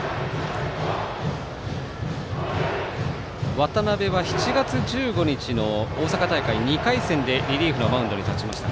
渡邊は７月１５日の大阪大会２回戦でリリーフのマウンドに立ちました。